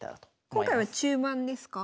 今回は中盤ですか？